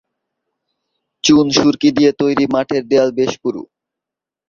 চুন-সুরকি দিয়ে তৈরি মঠের দেয়াল বেশ পুরু।